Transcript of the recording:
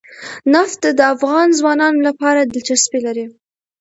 نفت د افغان ځوانانو لپاره دلچسپي لري.